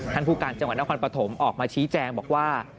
ผู้การจังหวัดนครปฐมออกมาชี้แจงบอกว่า